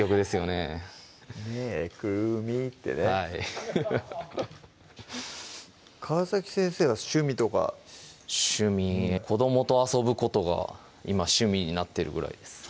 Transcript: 「ねぇくるみ」ってねはいハハッ川先生は趣味とか趣味子どもと遊ぶことが今趣味になってるぐらいです